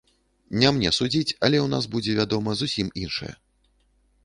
Не мне судзіць, але ў нас будзе, вядома, зусім іншае.